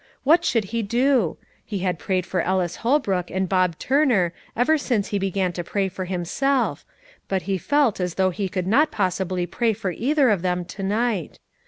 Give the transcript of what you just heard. What should he do? He had prayed for Ellis Holbrook and Bob Turner ever since he began to pray for himself, but he felt as though he could not possibly pray for either of them to night.